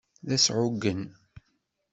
D asɛuggen.